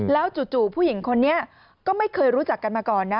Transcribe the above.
แล้วจู่ผู้หญิงคนนี้ก็ไม่เคยรู้จักกันมาก่อนนะ